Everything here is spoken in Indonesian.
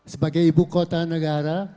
sebagai ibu kota negara